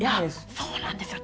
そうなんですよ